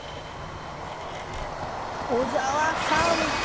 小沢さん。